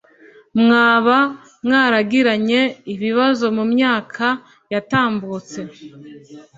Mwaba mwaragiranye ibibazo mu myaka yatambutse